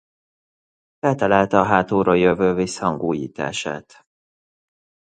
Feltalálta a hátulról jövő visszhang újítását.